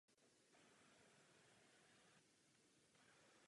Pocházel z rodiny varhaníka.